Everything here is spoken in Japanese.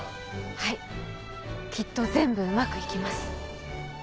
はいきっと全部うまく行きます。